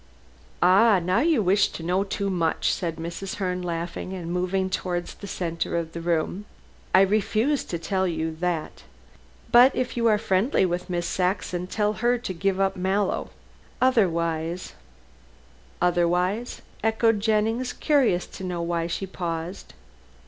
"Ah, now you wish to know too much," said Mrs. Herne, laughing and moving towards the center of the room. "I refuse to tell you that. But if you are friendly with Miss Saxon, tell her to give up Mr. Mallow. Otherwise " "Otherwise," echoed Jennings, curious to know why she paused.